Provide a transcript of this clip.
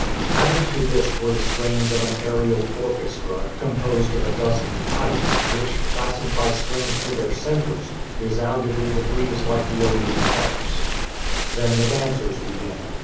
Added to this were the strains of an aerial orchestra, composed of a dozen kites, which, fastened by strings to their centers, resounded in the breeze like AEolian harps. Then the dancers began.